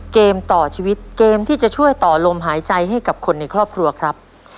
เกมต่อชีวิตเกมที่จะช่วยต่อลมหายใจให้กับคนในครอบครัวครับ